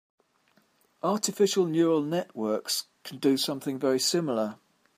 Artificial neural networks can do something very similar.